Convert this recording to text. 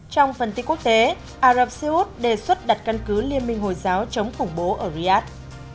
trong phần tin quốc tế arab seyoud đề xuất đặt căn cứ liên minh hồi giáo chống khủng bố ở riyadh